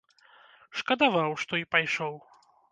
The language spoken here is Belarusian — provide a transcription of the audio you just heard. Шкадаваў, што і пайшоў.